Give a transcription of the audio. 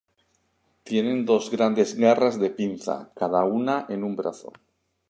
Tienen dos grandes garras de pinza, cada una en un brazo.